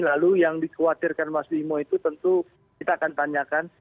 lalu yang dikhawatirkan mas bimo itu tentu kita akan tanyakan